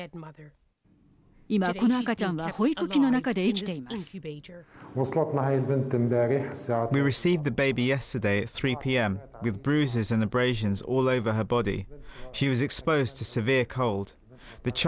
今、この赤ちゃんは保育器の中で生きています。